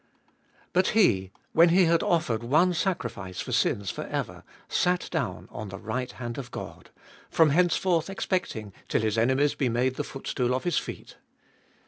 But He, when He had offered one sacrifice for sins for ever, sat down on the right hand of God ; from henceforth expecting till His enemies be made the footstool of His feet.